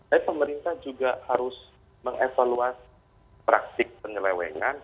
tapi pemerintah juga harus mengevaluasi praktik penyelewengan